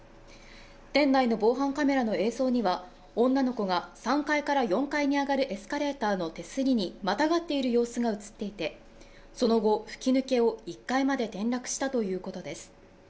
店内の防犯カメラの映像には、女の子が３階から４階に上がるエスカレーターの手すりにまたがっている様子が映っていてその後、吹き抜けを１階まで転落したということです。